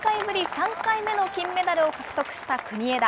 ３回目の金メダルを獲得した国枝。